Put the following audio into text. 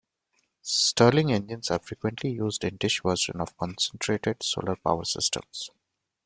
Stirling engines are frequently used in the dish version of Concentrated Solar Power systems.